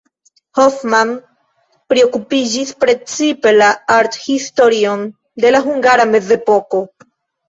Hoffmann priokupiĝis precipe la arthistorion de la hungara mezepoko.